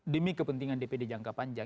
demi kepentingan dpd jangkau